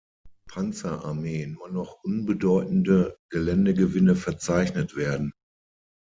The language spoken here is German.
Panzerarmee nur noch unbedeutende Geländegewinne verzeichnet werden.